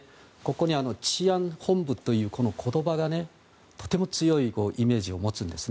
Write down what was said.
この治安本部という言葉がねとても強いイメージを持つんです。